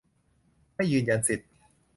ไม่ยืนยันสิทธิ